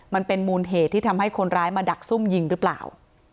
มันเป็นมูลเหตุที่ทำให้คนร้ายมาดักซุ่มยิงหรือเปล่า